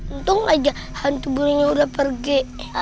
untung aja hantu burungnya udah pergi